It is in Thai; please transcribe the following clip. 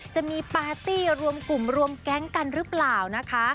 จะมีปาร์ตี้รวมกลุ่มรวมแก๊งกันหรือเปล่านะคะ